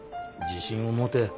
自信を持て。